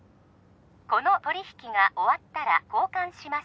この取り引きが終わったら交換します